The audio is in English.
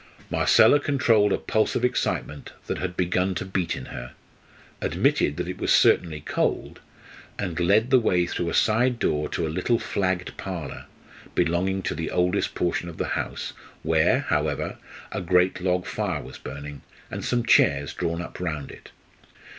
Marcella controlled a pulse of excitement that had begun to beat in her, admitted that it was certainly cold, and led the way through a side door to a little flagged parlour, belonging to the oldest portion of the house, where, however, a great log fire was burning, and some chairs drawn up round it.